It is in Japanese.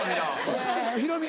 えヒロミ